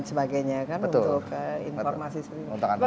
sebagainya kan untuk informasi seperti itu